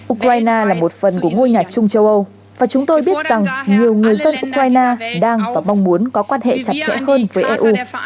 ukraine là một phần của ngôi nhà chung châu âu và chúng tôi biết rằng nhiều người dân ukraine đang và mong muốn có quan hệ chặt chẽ hơn với eu